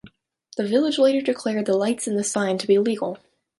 The village later declared the lights and the sign to be legal.